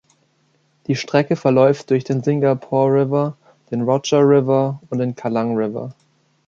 Die Strecke verläuft durch den Singapore River, den Rochor River und den Kallang River.